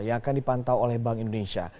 yang akan dipantau oleh bank indonesia